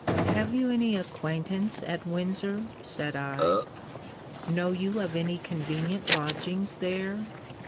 Have you any acquaintance at Windsor? said I. Know you of any convenient lodgings there?